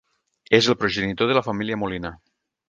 És el progenitor de la família Molina.